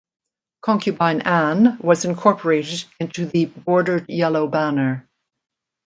Concubine An was incorporated into the Bordered Yellow Banner.